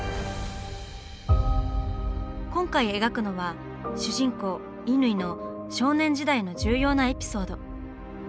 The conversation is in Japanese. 今回描くのは主人公・乾の少年時代の重要なエピソード。